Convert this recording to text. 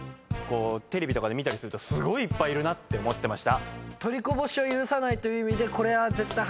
テレビとかで見たりするとすごいいっぱいいるなって思ってました。